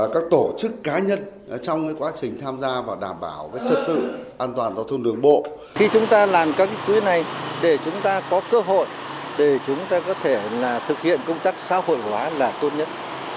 các quỹ này để chúng ta có cơ hội để chúng ta có thể thực hiện công tác xã hội hóa là tốt nhất